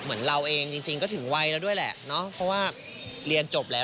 เหมือนเราเองจริงก็ถึงวัยแล้วด้วยแหละเนาะเพราะว่าเรียนจบแล้ว